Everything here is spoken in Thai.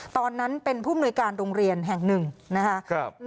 ตอนนั้นเป็นผู้มนุยการโรงเรียนแห่งหนึ่งนะครับ